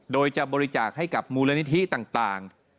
โดยจะบริจาคให้กับมูลนิธิต่าง